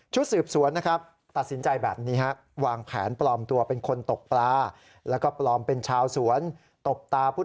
ชุดสืบสวนนะครับตัดสินใจแบบนี้ครับ